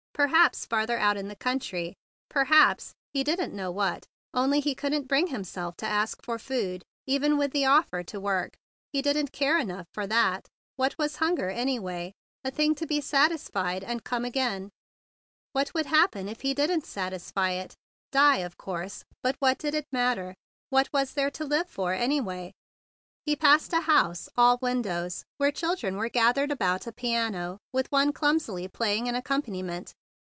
Perhaps, farther out in the country—perhaps—he didn't know what; only he couldn't bring himself to ask for food, even with the offer to work. He didn't care enough for that. What was hunger, anyway? A thing to be satisfied and come again. What 36 THE BIG BLUE SOLDIER would happen if he didn't satisfy it? Die, of course, but what did it matter? What was there to live for, anyway? He passed a house all windows, where children were gathered about a piano with one clumsily playing an ac¬ companiment.